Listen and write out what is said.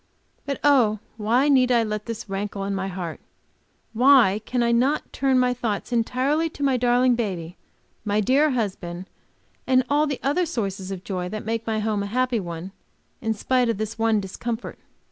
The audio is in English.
But, oh, why need I let this rankle in my heart! Why cannot I turn my thoughts entirely to my darling baby, my dear husband, and all the other sources of joy that make my home a happy one in spite of this one discomfort!